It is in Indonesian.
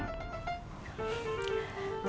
tunggu ya kak